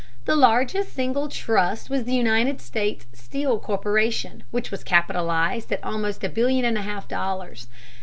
The largest single trust was the United States Steel Corporation, which was capitalized at almost a billion and a half dollars.